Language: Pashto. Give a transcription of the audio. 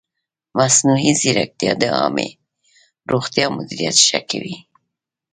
مصنوعي ځیرکتیا د عامې روغتیا مدیریت ښه کوي.